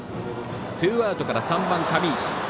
ツーアウトから３番、上石。